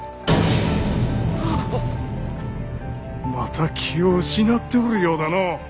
また気を失っておるようだの。